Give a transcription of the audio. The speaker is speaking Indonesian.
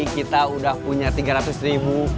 kita sudah punya rp tiga ratus